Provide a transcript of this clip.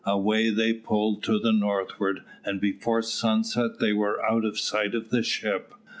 Away they pulled to the northward, and before sunset they were out of sight of the ship.